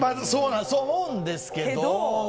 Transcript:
そう思うんですけど。